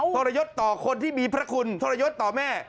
ทรยศต่อคนที่มีพระคุณทรยศต่อแม่